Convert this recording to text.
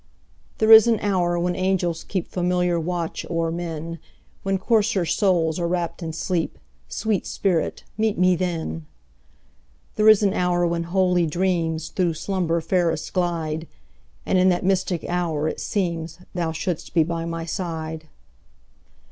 There is an hour when angels keepFamiliar watch o'er men, When coarser souls are wrapp'd in sleep—Sweet spirit, meet me then! There is an hour when holy dreamsThrough slumber fairest glide; And in that mystic hour it seemsThou shouldst be by my side.